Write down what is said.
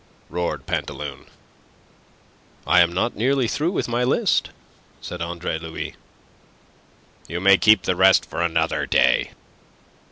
roared Pantaloon. "I am not nearly through with my list," said Andre Louis. "You may keep the rest for another day.